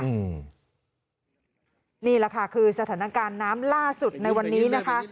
นี่แหละค่ะคือสถานการณ์น้ำล่าสุดในวันนี้นะคะ